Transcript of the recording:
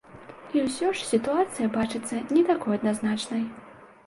І ўсё ж, сітуацыя бачыцца не такой адназначнай.